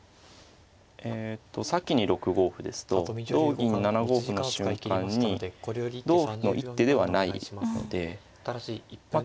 えと先に６五歩ですと同銀７五歩の瞬間に同歩の一手ではないのでまあ